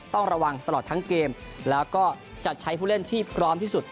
ต้องระวังตลอดทั้งเกมแล้วก็จะใช้ผู้เล่นที่พร้อมที่สุด